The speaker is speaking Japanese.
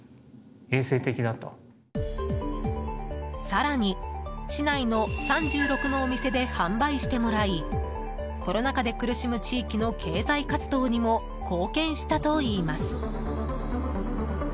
更に、市内の３６のお店で販売してもらいコロナ禍で苦しむ地域の経済活動にも貢献したといいます。